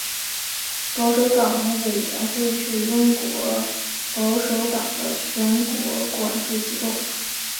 保守党委员会是英国保守党的全国管制机构。